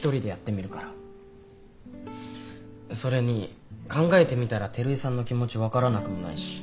それに考えてみたら照井さんの気持ち分からなくもないし。